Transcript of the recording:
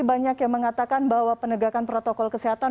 banyak yang mengatakan bahwa penegakan protokol kesehatan